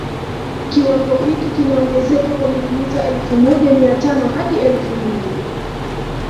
Kiwango hiki kinaongezeka kwa milimita elfu moja mia tano hadi elfu mbili